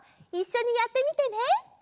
いっしょにやってみてね。